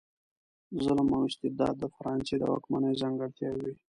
ظلم او استبداد د فرانسې د واکمنیو ځانګړتیاوې وې.